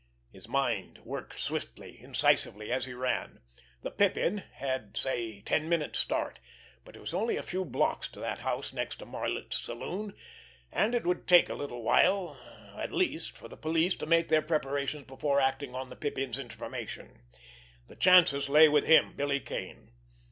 His mind worked swiftly, incisively, as he ran. The Pippin had had, say, ten minutes' start, but it was only a few blocks to that house next door to Marlot's saloon, and it would take a little while at least for the police to make their preparations before acting on the Pippin's information. The chances lay with him, Billy Kane.